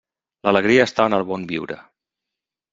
L'alegria està en el bon viure.